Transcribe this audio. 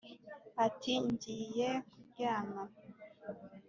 Ati: ngiye kulyama